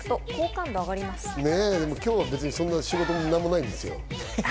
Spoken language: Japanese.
今日は別に仕事ももう何もないんですよ。